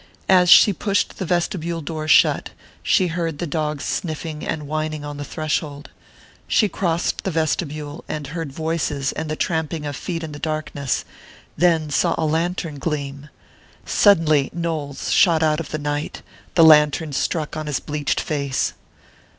As she pushed the vestibule door shut, she heard the dogs sniffing and whining on the threshold. She crossed the vestibule, and heard voices and the tramping of feet in the darkness then saw a lantern gleam. Suddenly Knowles shot out of the night the lantern struck on his bleached face.